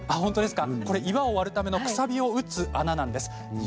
岩を割るためのくさびで打った跡なんです。